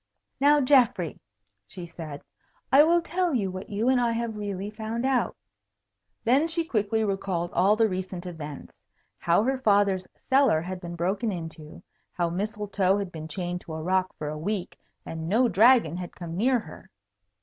"Now, Geoffrey," she said, "I will tell you what you and I have really found out." Then she quickly recalled all the recent events. How her father's cellar had been broken into; how Mistletoe had been chained to a rock for a week and no dragon had come near her.